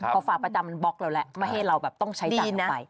พอฝากประจำมันบล็อกแล้วแหละไม่ให้เราต้องใช้จ่ายออกไป